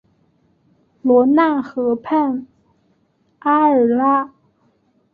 罗讷河畔阿尔拉。